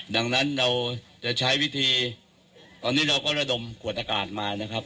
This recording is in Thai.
ดังนั้นเราจะใช้วิธีตอนนี้เราก็ระดมขวดอากาศมานะครับ